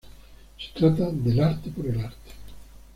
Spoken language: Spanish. Se trata del arte por el arte.